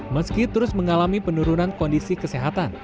meski terus mengalami penurunan kondisi kesehatan